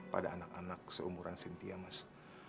pada anak anak seumuran cynthia mas